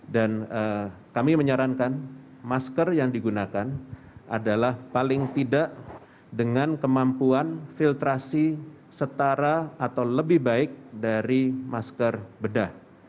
dan kami menyarankan masker yang digunakan adalah paling tidak dengan kemampuan filtrasi setara atau lebih baik dari masker bedah